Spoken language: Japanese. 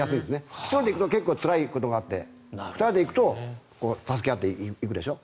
１人で行くと結構つらいことがあって２人で行くと助け合って行くでしょ。